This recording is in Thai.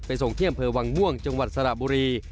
ไปส่งเที่ยมเผลอวังม่วงจังหวัดสระบุรี